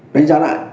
đánh giá lại